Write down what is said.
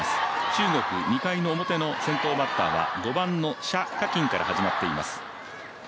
中国、２回の表の先頭バッターは５番、謝佳欣から始まっています。